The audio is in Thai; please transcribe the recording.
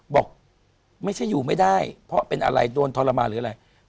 บอกไม่ใช่อยู่ไม่ได้เพราะเป็นอะไรโดนทรมานหรืออะไร